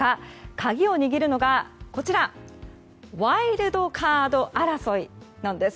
鍵を握るのがワイルドカード争いなんです。